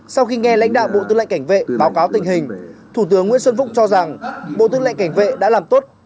sau khi nghe lãnh đạo bộ tư lệnh cảnh vệ báo cáo tình hình thủ tướng nguyễn xuân phúc cho rằng bộ tư lệnh cảnh vệ đã làm tốt